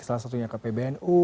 salah satunya ke pbnu